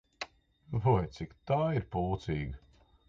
Vai, cik tā ir pūcīga!